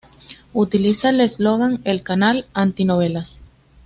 Utiliza el eslogan "El canal Anti Novelas".